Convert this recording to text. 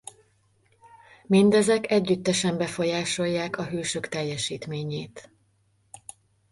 Mindezek együttesen befolyásolják a hősök teljesítményét.